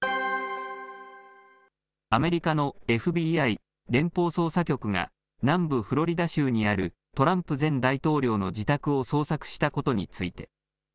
アメリカのＦＢＩ・連邦捜査局が、南部フロリダ州にあるトランプ前大統領の自宅を捜索したことについて。